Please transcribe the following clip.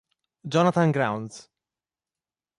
Jonathan Grounds